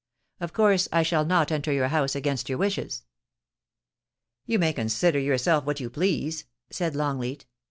Of course I shall not enter your house against your wishes.' * You may consider yourself what you please,' said Long leat.